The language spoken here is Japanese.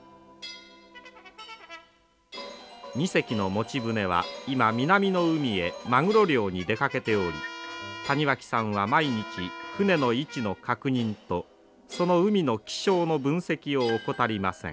２隻の持ち船は今南の海へマグロ漁に出かけており谷脇さんは毎日船の位置の確認とその海の気象の分析を怠りません。